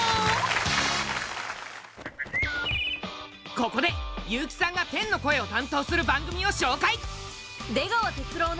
ここで悠木さんが天の声を担当する番組を紹介！